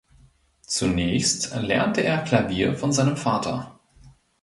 Zunächst lernte er Klavier von seinem Vater.